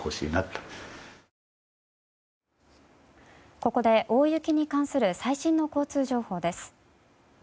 ここで大雪に関する最新の交通情報です。